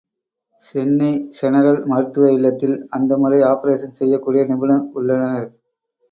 Chennai general மருத்துவ இல்லத்தில் அந்த முறை ஆப்பரேஷன் செய்யக் கூடிய நிபுணர் உள்ளனர்.